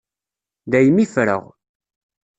Daymi i ffreɣ.